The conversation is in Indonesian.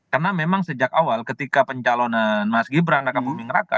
karena memang sejak awal ketika pencalonan mas gibran rakyat pembingkir raka